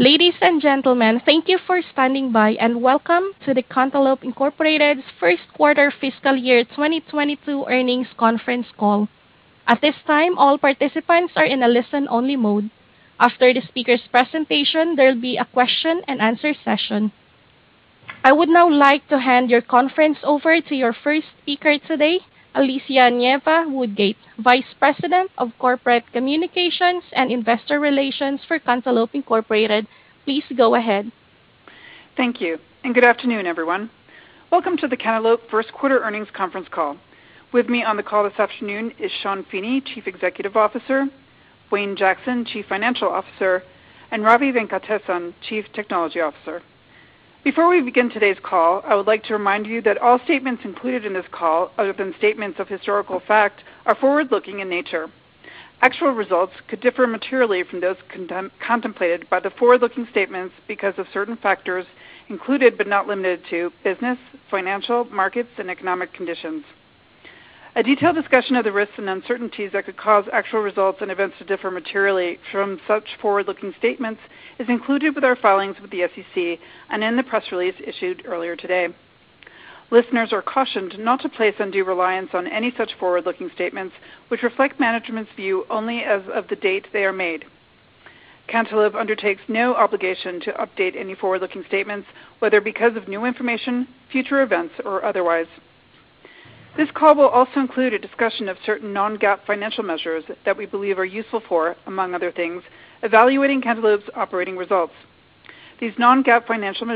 Ladies and gentlemen, thank you for standing by, and welcome to the Cantaloupe, Incorporated First Quarter Fiscal Year 2022 Earnings Conference Call. At this time, all participants are in a listen-only mode. After the speaker's presentation, there'll be a question-and-answer session. I would now like to hand the conference over to your first speaker today, Alicia Nieva-Woodgate, Vice President of Corporate Communications and Investor Relations for Cantaloupe, Inc. Please go ahead. Thank you, and good afternoon, everyone. Welcome to the Cantaloupe First Quarter Earnings Conference Call. With me on the call this afternoon is Sean Feeney, Chief Executive Officer, Wayne Jackson, Chief Financial Officer, and Ravi Venkatesan, Chief Technology Officer. Before we begin today's call, I would like to remind you that all statements included in this call, other than statements of historical fact, are forward-looking in nature. Actual results could differ materially from those contemplated by the forward-looking statements because of certain factors, included but not limited to business, financial, markets, and economic conditions. A detailed discussion of the risks and uncertainties that could cause actual results and events to differ materially from such forward-looking statements is included with our filings with the SEC and in the press release issued earlier today. Listeners are cautioned not to place undue reliance on any such forward-looking statements, which reflect management's view only as of the date they are made. Cantaloupe undertakes no obligation to update any forward-looking statements, whether because of new information, future events, or otherwise. This call will also include a discussion of certain non-GAAP financial measures that we believe are useful for, among other things, evaluating Cantaloupe's operating results. These non-GAAP financial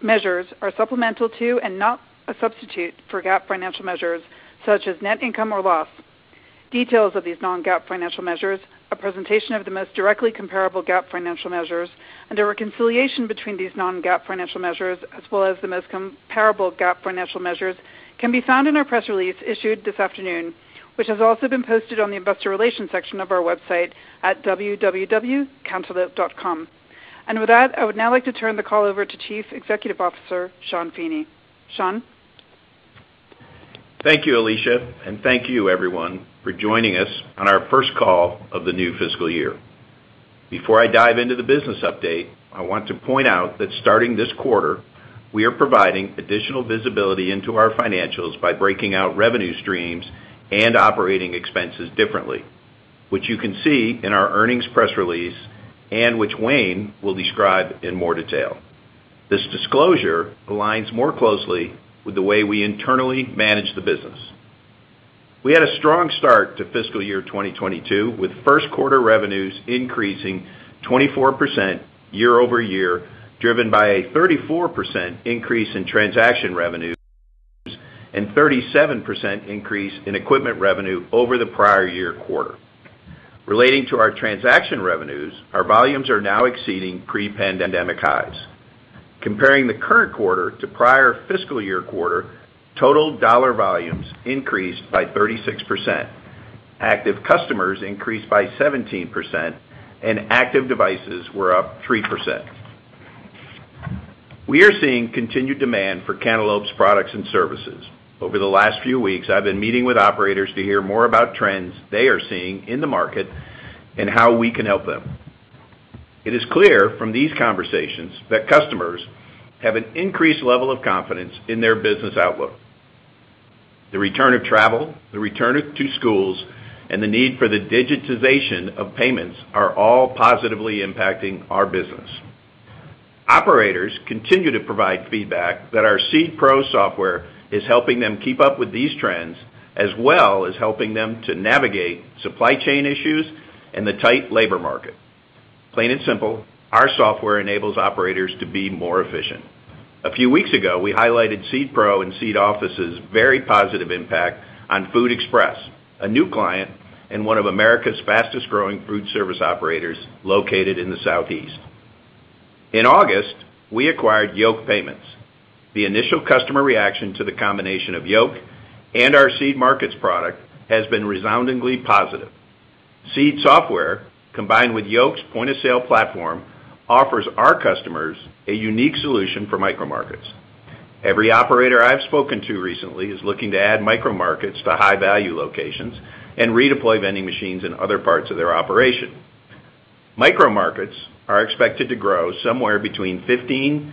measures are supplemental to and not a substitute for GAAP financial measures such as net income or loss. Details of these non-GAAP financial measures, a presentation of the most directly comparable GAAP financial measures, and a reconciliation between these non-GAAP financial measures, as well as the most comparable GAAP financial measures, can be found in our press release issued this afternoon, which has also been posted on the investor relations section of our website at www.cantaloupe.com. With that, I would now like to turn the call over to Chief Executive Officer, Sean Feeney. Sean? Thank you, Alicia, and thank you everyone for joining us on our first call of the new fiscal year. Before I dive into the business update, I want to point out that starting this quarter, we are providing additional visibility into our financials by breaking out revenue streams and operating expenses differently, which you can see in our earnings press release and which Wayne will describe in more detail. This disclosure aligns more closely with the way we internally manage the business. We had a strong start to fiscal year 2022, with first-quarter revenues increasing 24% year-over-year, driven by a 34% increase in transaction revenues and 37% increase in equipment revenue over the prior year quarter. Relating to our transaction revenues, our volumes are now exceeding pre-pandemic highs. Comparing the current quarter to prior fiscal year quarter, total dollar volumes increased by 36%. Active customers increased by 17%, and active devices were up 3%. We are seeing continued demand for Cantaloupe's products and services. Over the last few weeks, I've been meeting with operators to hear more about trends they are seeing in the market and how we can help them. It is clear from these conversations that customers have an increased level of confidence in their business outlook. The return to schools, and the need for the digitization of payments are all positively impacting our business. Operators continue to provide feedback that our Seed Pro software is helping them keep up with these trends, as well as helping them to navigate supply chain issues and the tight labor market. Plain and simple, our software enables operators to be more efficient. A few weeks ago, we highlighted Seed Pro and Seed Office's very positive impact on Food Express, a new client and one of America's fastest-growing food service operators located in the Southeast. In August, we acquired Yoke Payments. The initial customer reaction to the combination of Yoke and our Seed Markets product has been resoundingly positive. Seed software, combined with Yoke's point-of-sale platform, offers our customers a unique solution for micromarkets. Every operator I've spoken to recently is looking to add micromarkets to high-value locations and redeploy vending machines in other parts of their operation. Micromarkets are expected to grow somewhere between 15%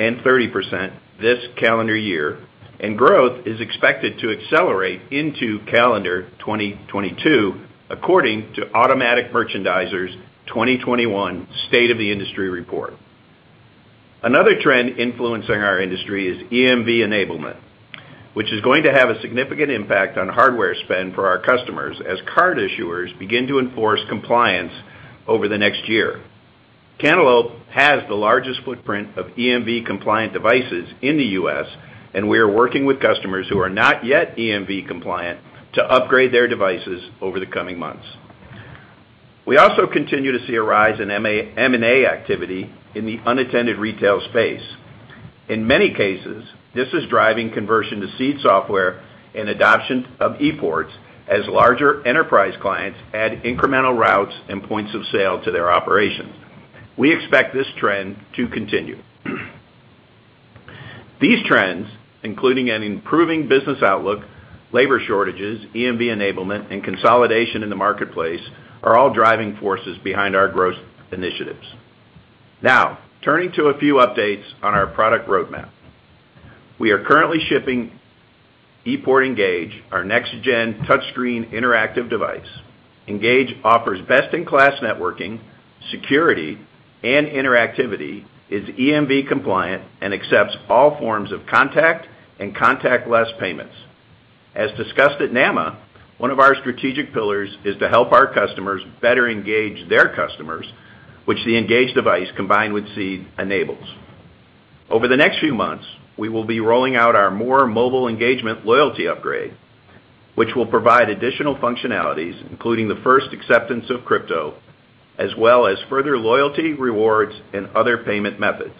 and 30% this calendar year, and growth is expected to accelerate into calendar 2022, according to Automatic Merchandiser's 2021 State of the Industry report. Another trend influencing our industry is EMV enablement, which is going to have a significant impact on hardware spend for our customers as card issuers begin to enforce compliance over the next year. Cantaloupe has the largest footprint of EMV-compliant devices in the U.S., and we are working with customers who are not yet EMV-compliant to upgrade their devices over the coming months. We also continue to see a rise in M&A activity in the unattended retail space. In many cases, this is driving conversion to Seed software and adoption of ePorts as larger enterprise clients add incremental routes and points of sale to their operations. We expect this trend to continue. These trends, including an improving business outlook, labor shortages, EMV enablement, and consolidation in the marketplace, are all driving forces behind our growth initiatives. Now, turning to a few updates on our product roadmap. We are currently shipping ePort Engage, our next-gen touchscreen interactive device. Engage offers best-in-class networking, security, and interactivity, is EMV compliant, and accepts all forms of contact and contactless payments. As discussed at NAMA, one of our strategic pillars is to help our customers better engage their customers, which the Engage device, combined with Seed, enables. Over the next few months, we will be rolling out our more mobile engagement loyalty upgrade, which will provide additional functionalities, including the first acceptance of crypto, as well as further loyalty rewards and other payment methods.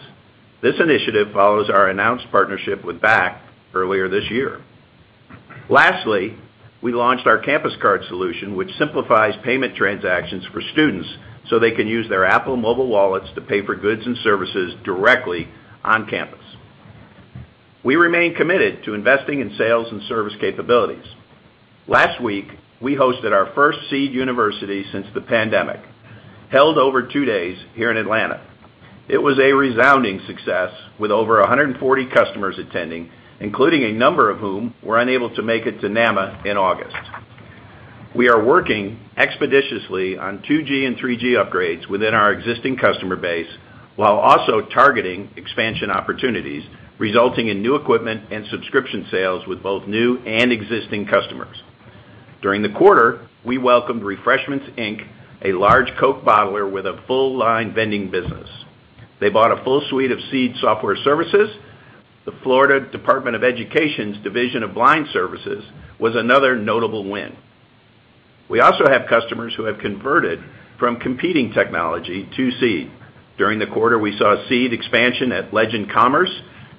This initiative follows our announced partnership with Bakkt earlier this year. Lastly, we launched our Campus Card Solution, which simplifies payment transactions for students, so they can use their Apple mobile wallets to pay for goods and services directly on campus. We remain committed to investing in sales and service capabilities. Last week, we hosted our first Seed University since the pandemic, held over two days here in Atlanta. It was a resounding success, with over 140 customers attending, including a number of whom were unable to make it to NAMA in August. We are working expeditiously on 2G and 3G upgrades within our existing customer base, while also targeting expansion opportunities, resulting in new equipment and subscription sales with both new and existing customers. During the quarter, we welcomed Refreshments, Inc, a large Coke bottler with a full-line vending business. They bought a full suite of Seed software services. The Florida Department of Education's Division of Blind Services was another notable win. We also have customers who have converted from competing technology to Seed. During the quarter, we saw Seed expansion at Legends Commerce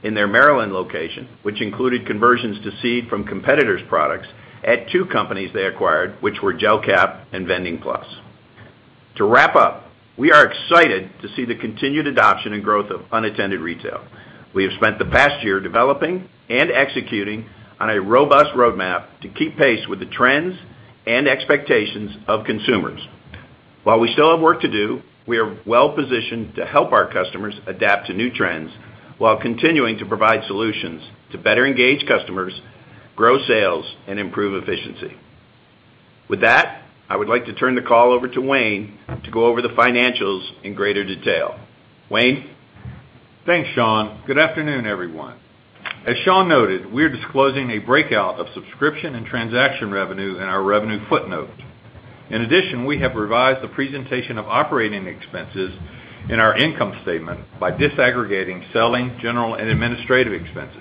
in their Maryland location, which included conversions to Seed from competitors' products at two companies they acquired, which were Jel-Cap and Vending Plus. To wrap up, we are excited to see the continued adoption and growth of unattended retail. We have spent the past year developing and executing on a robust roadmap to keep pace with the trends and expectations of consumers. While we still have work to do, we are well-positioned to help our customers adapt to new trends while continuing to provide solutions to better engage customers, grow sales, and improve efficiency. With that, I would like to turn the call over to Wayne to go over the financials in greater detail. Wayne? Thanks, Sean. Good afternoon, everyone. As Sean noted, we're disclosing a breakout of subscription and transaction revenue in our revenue footnote. In addition, we have revised the presentation of operating expenses in our income statement by disaggregating selling, general, and administrative expenses.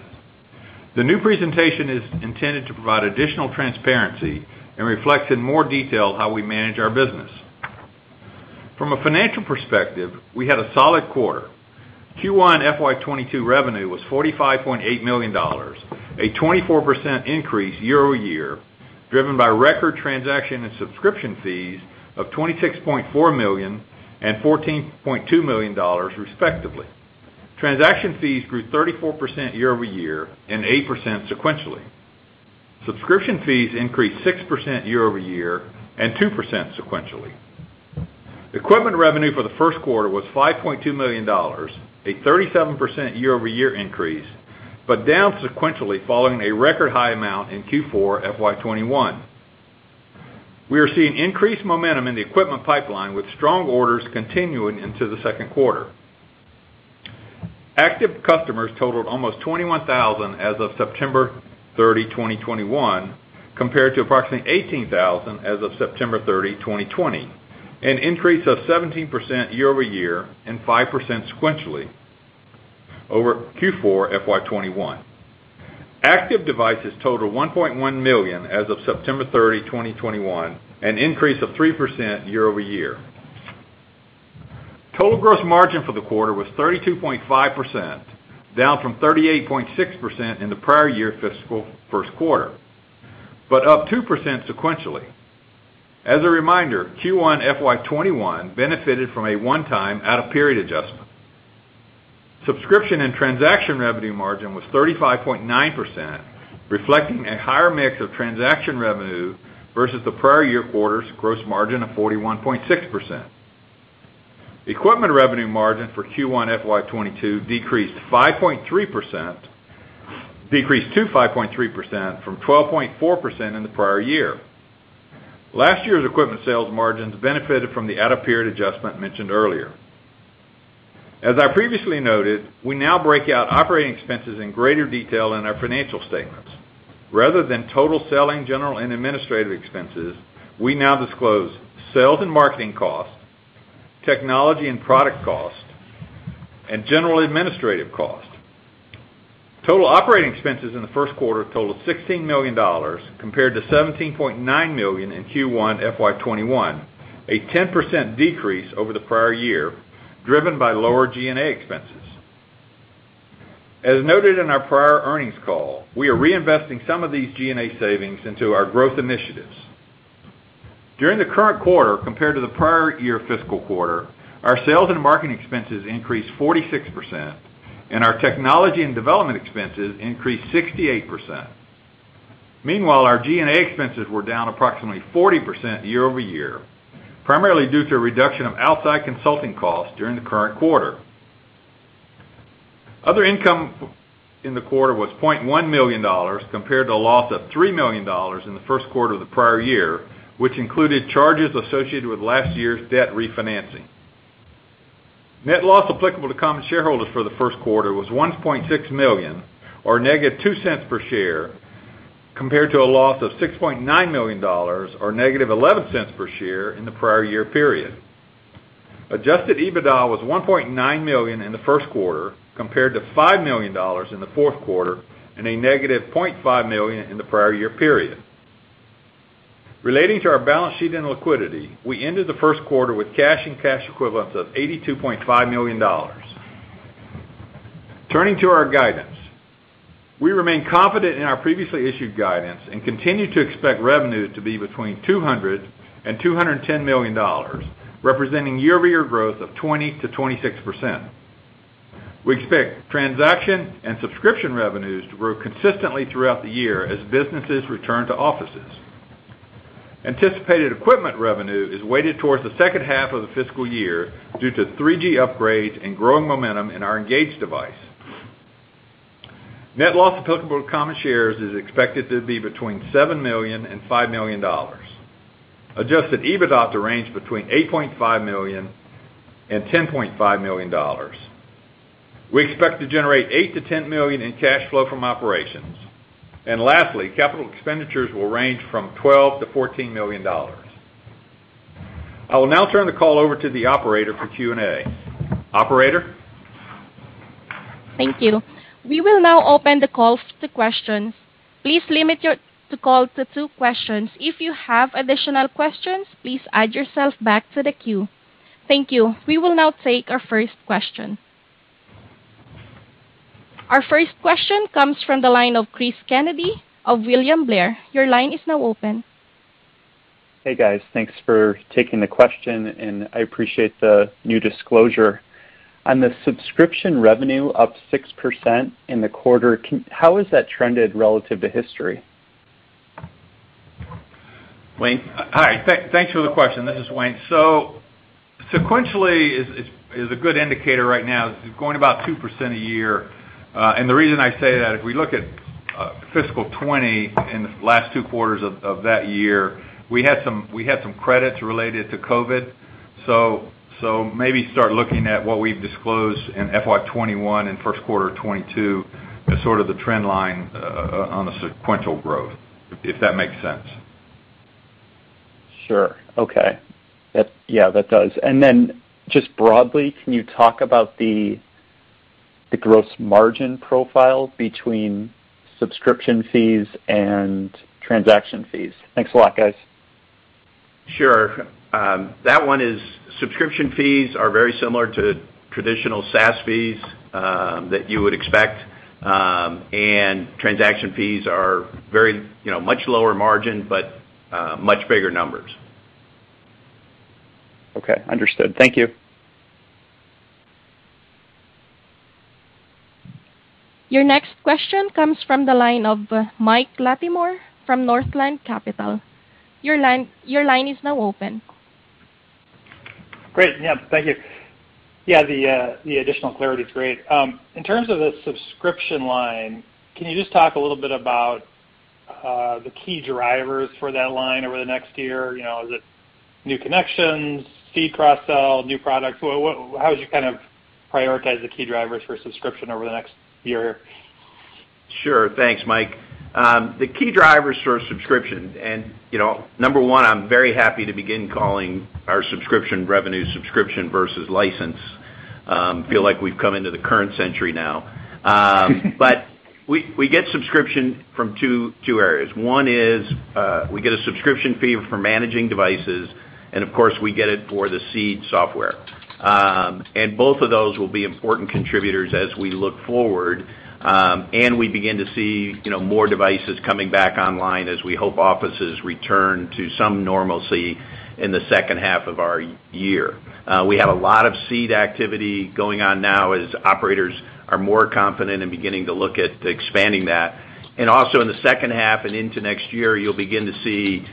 The new presentation is intended to provide additional transparency and reflects in more detail how we manage our business. From a financial perspective, we had a solid quarter. Q1 FY 2022 revenue was $45.8 million, a 24% increase year-over-year, driven by record transaction and subscription fees of $26.4 million and $14.2 million, respectively. Transaction fees grew 34% year-over-year and 8% sequentially. Subscription fees increased 6% year-over-year and 2% sequentially. Equipment revenue for the first quarter was $5.2 million, a 37% year-over-year increase, but down sequentially following a record high amount in Q4 FY 2021. We are seeing increased momentum in the equipment pipeline, with strong orders continuing into the second quarter. Active customers totaled almost 21,000 as of September 30, 2021, compared to approximately 18,000 as of September 30, 2020, an increase of 17% year-over-year and 5% sequentially over Q4 FY 2021. Active devices totaled 1.1 million as of September 30, 2021, an increase of 3% year-over-year. Total gross margin for the quarter was 32.5%, down from 38.6% in the prior year fiscal first quarter, but up 2% sequentially. As a reminder, Q1 FY 2021 benefited from a one-time out-of-period adjustment. Subscription and transaction revenue margin was 35.9%, reflecting a higher mix of transaction revenue versus the prior year quarter's gross margin of 41.6%. Equipment revenue margin for Q1 FY 2022 decreased to 5.3% from 12.4% in the prior year. Last year's equipment sales margins benefited from the out-of-period adjustment mentioned earlier. As I previously noted, we now break out operating expenses in greater detail in our financial statements. Rather than total selling, general, and administrative expenses, we now disclose sales and marketing costs, technology and product costs, and general administrative costs. Total operating expenses in the first quarter totaled $16 million, compared to $17.9 million in Q1 FY 2021, a 10% decrease over the prior year, driven by lower G&A expenses. As noted in our prior earnings call, we are reinvesting some of these G&A savings into our growth initiatives. During the current quarter compared to the prior year fiscal quarter, our sales and marketing expenses increased 46%, and our technology and development expenses increased 68%. Meanwhile, our G&A expenses were down approximately 40% year-over-year, primarily due to a reduction of outside consulting costs during the current quarter. Other income for the quarter was $0.1 million compared to a loss of $3 million in the first quarter of the prior year, which included charges associated with last year's debt refinancing. Net loss applicable to common shareholders for the first quarter was $1.6 million or negative 2 cents per share, compared to a loss of $6.9 million or negative 11 cents per share in the prior year period. Adjusted EBITDA was $1.9 million in the first quarter, compared to $5 million in the fourth quarter and -$0.5 million in the prior year period. Relating to our balance sheet and liquidity, we ended the first quarter with cash and cash equivalents of $82.5 million. Turning to our guidance, we remain confident in our previously issued guidance and continue to expect revenues to be between $200 million and $210 million, representing year-over-year growth of 20%-26%. We expect transaction and subscription revenues to grow consistently throughout the year as businesses return to offices. Anticipated equipment revenue is weighted towards the second half of the fiscal year due to 3G upgrades and growing momentum in our Engage device. Net loss applicable to common shares is expected to be between $7 million and $5 million. Adjusted EBITDA to range between $8.5 million and $10.5 million. We expect to generate $8 million to $10 million in cash flow from operations. Lastly, capital expenditures will range from $12 million to $14 million. I will now turn the call over to the operator for Q&A. Operator? Thank you. We will now open the call to questions. Please limit the call to two questions. If you have additional questions, please add yourself back to the queue. Thank you. We will now take our first question. Our first question comes from the line of Chris Kennedy of William Blair. Your line is now open. Hey, guys. Thanks for taking the question, and I appreciate the new disclosure. On the subscription revenue up 6% in the quarter, how has that trended relative to history? Wayne? Hi. Thanks for the question. This is Wayne. Sequentially is a good indicator right now. It's going about 2% a year. The reason I say that, if we look at fiscal 2020 in the last two quarters of that year, we had some credits related to COVID. Maybe start looking at what we've disclosed in FY 2021 and first quarter 2022 as sort of the trend line on the sequential growth, if that makes sense. Sure. That does. Just broadly, can you talk about the gross margin profile between subscription fees and transaction fees? Thanks a lot, guys. Sure. That one is subscription fees are very similar to traditional SaaS fees that you would expect. Transaction fees are very, you know, much lower margin, but much bigger numbers. Okay. Understood. Thank you. Your next question comes from the line of Mike Latimore from Northland Capital. Your line is now open. Great. Thank you. The additional clarity is great. In terms of the subscription line, can you just talk a little bit about the key drivers for that line over the next year? Is it new connections, fee cross-sell, new products? How would you prioritize the key drivers for subscription over the next year? Sure. Thanks, Mike. The key drivers for subscription number one, I'm very happy to begin calling our subscription revenue subscription versus license. I feel like we've come into the current century now. We get subscription from two areas. One is, we get a subscription fee for managing devices, and of course, we get it for the Seed software. Both of those will be important contributors as we look forward, and we begin to see, you know, more devices coming back online as we hope offices return to some normalcy in the second half of our year. We have a lot of Seed activity going on now as operators are more confident and beginning to look at expanding that. Also in the second half and into next year, you'll begin to see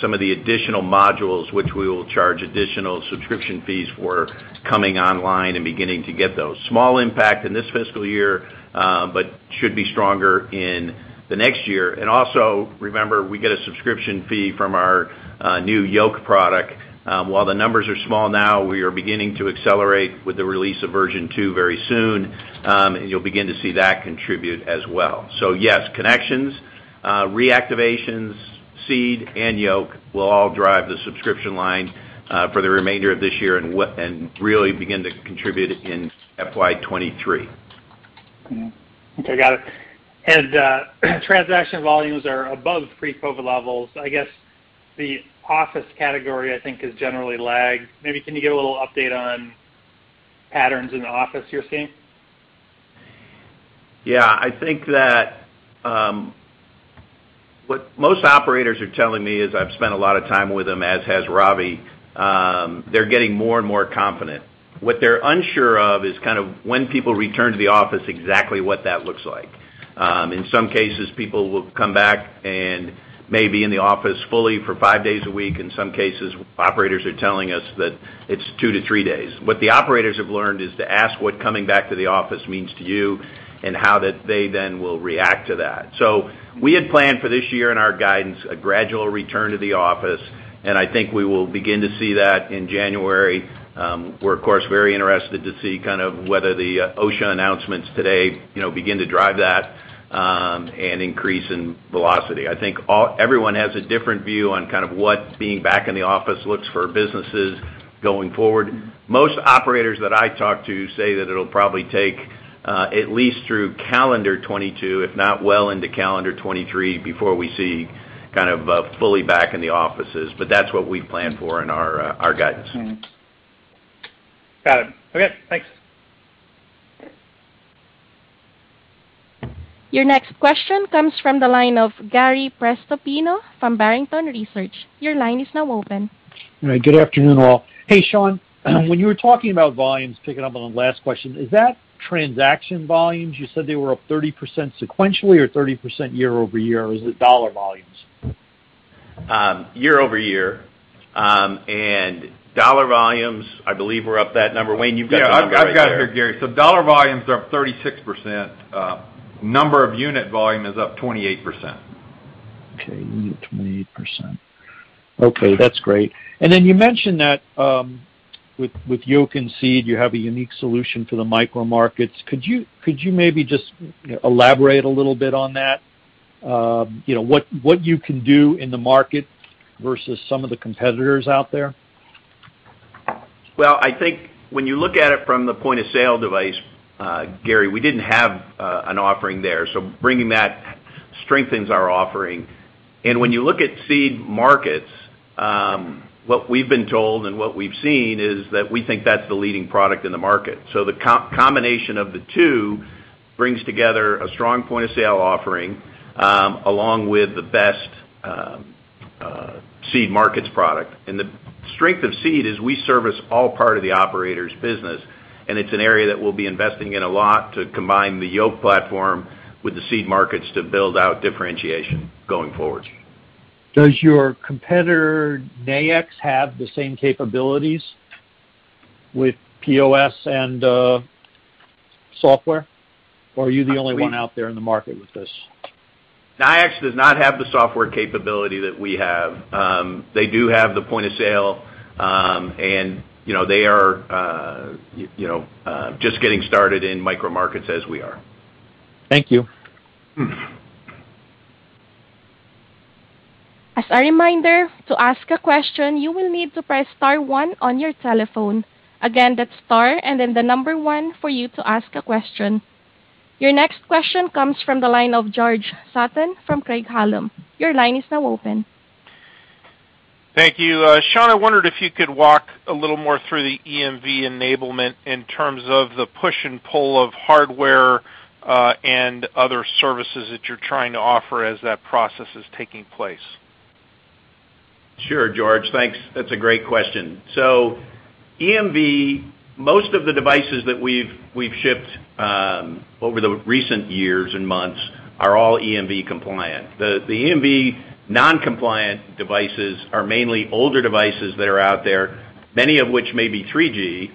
some of the additional modules which we will charge additional subscription fees for coming online and beginning to get those. Small impact in this fiscal year, but should be stronger in the next year. Also, remember, we get a subscription fee from our new Yoke product. While the numbers are small now, we are beginning to accelerate with the release of version 2 very soon, and you'll begin to see that contribute as well. Yes, Connections, Reactivations, Seed, and Yoke will all drive the subscription line for the remainder of this year and really begin to contribute in FY 2023. Got it. Transaction volumes are above pre-COVID levels. I guess the office category, I think, is generally lagged. Maybe can you give a little update on patterns in the office you're seeing? I think that, what most operators are telling me is I've spent a lot of time with them, as has Ravi, they're getting more and more confident. What they're unsure of is kind of when people return to the office, exactly what that looks like. In some cases, people will come back and may be in the office fully for five days a week. In some cases, operators are telling us that it's 2-3 days. What the operators have learned is to ask what coming back to the office means to you and how that they then will react to that. We had planned for this year in our guidance, a gradual return to the office, and I think we will begin to see that in January. We're of course very interested to see kind of whether the OSHA announcements today, you know, begin to drive that and increase in velocity. I think everyone has a different view on kind of what being back in the office looks like for businesses going forward. Most operators that I talk to say that it'll probably take at least through calendar 2022, if not well into calendar 2023, before we see a fully back in the offices. That's what we plan for in our guidance. Got it. Okay, thanks. Your next question comes from the line of Gary Prestopino from Barrington Research. Your line is now open. All right, good afternoon, all. Hey, Sean. When you were talking about volumes, picking up on the last question, is that transaction volumes? You said they were up 30% sequentially, or 30% year-over-year, or is it dollar volumes? Year-over-year. Dollar volumes, I believe were up that number. Wayne, you've got the number right there. I've got it here, Gary. Dollar volumes are up 36%. Number of unit volume is up 28%. Unit 28%. Okay, that's great. You mentioned that, with Yoke and Seed, you have a unique solution for the micro markets. Could you maybe just elaborate a little bit on that? What you can do in the market versus some of the competitors out there? Well, I think when you look at it from the point-of-sale device, Gary, we didn't have an offering there. Bringing that strengthens our offering. When you look at Seed Markets, what we've been told and what we've seen is that we think that's the leading product in the market. The combination of the two brings together a strong point-of-sale offering, along with the best Seed Markets product. The strength of Seed is we service all part of the operator's business, and it's an area that we'll be investing in a lot to combine the Yoke platform with the Seed Markets to build out differentiation going forward. Does your competitor, Nayax, have the same capabilities with POS and software, or are you the only one out there in the market with this? Nayax does not have the software capability that we have. They do have the point of sale, and you know, they are you know just getting started in micro markets as we are. Thank you. As a reminder, to ask a question, you will need to press star one on your telephone. Again, that's star and then the number one for you to ask a question. Your next question comes from the line of George Sutton from Craig-Hallum. Your line is now open. Thank you. Sean, I wondered if you could walk a little more through the EMV enablement in terms of the push and pull of hardware, and other services that you're trying to offer as that process is taking place. Sure, George. Thanks. That's a great question. EMV, most of the devices that we've shipped over the recent years and months are all EMV compliant. The EMV non-compliant devices are mainly older devices that are out there, many of which may be 3G,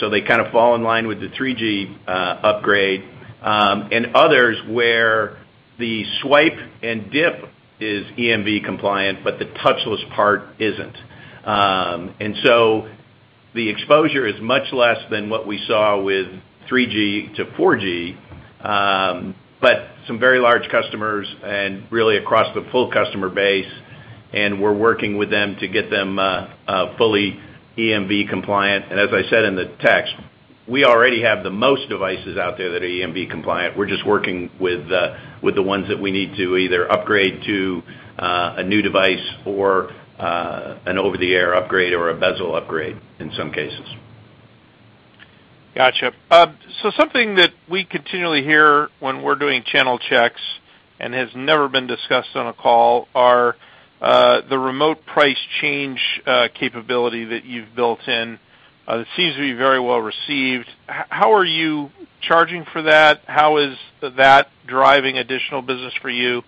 so they kinda fall in line with the 3G upgrade, and others where the swipe and dip is EMV compliant, but the touchless part isn't. The exposure is much less than what we saw with 3G-4G, but some very large customers, really across the full customer base, and we're working with them to get them fully EMV compliant. As I said in the text, we already have the most devices out there that are EMV-compliant. We're just working with the ones that we need to either upgrade to a new device or an over-the-air upgrade or a bezel upgrade in some cases. Gotcha. Something that we continually hear when we're doing channel checks and has never been discussed on a call are the remote price change capability that you've built in. It seems to be very well received. How are you charging for that? How is that driving additional business for you?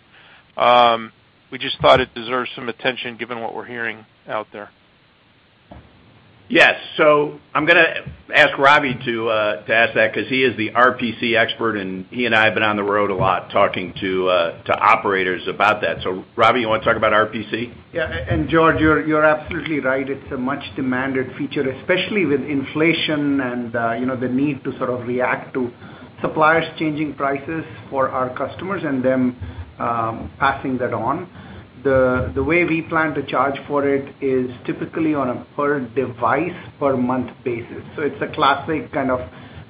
We just thought it deserves some attention given what we're hearing out there. Yes. I'm gonna ask Ravi to answer that 'cause he is the RPC expert, and he and I have been on the road a lot talking to operators about that. Ravi, you wanna talk about RPC? George, you're absolutely right. It's a much-demanded feature, especially with inflation and, you know, the need to sort of react to suppliers changing prices for our customers and then, passing that on. The way we plan to charge for it is typically on a per-device per-month basis. It's a classic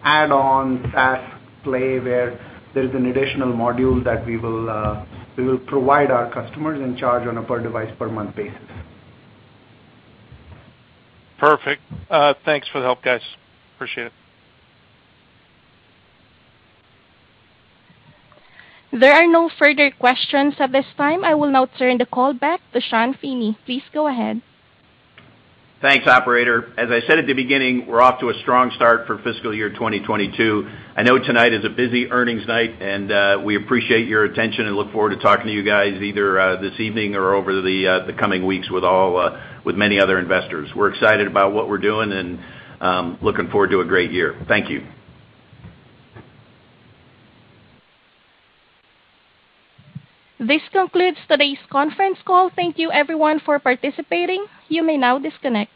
add-on SaaS play where there's an additional module that we will provide our customers and charge on a per-device per-month basis. Perfect. Thanks for the help, guys. Appreciate it. There are no further questions at this time. I will now turn the call back to Sean Feeney. Please go ahead. Thanks, operator. As I said at the beginning, we're off to a strong start for Fiscal Year 2022. I know tonight is a busy earnings night, and we appreciate your attention and look forward to talking to you guys either this evening or over the coming weeks with many other investors. We're excited about what we're doing and looking forward to a great year. Thank you. This concludes today's conference call. Thank you everyone for participating. You may now disconnect.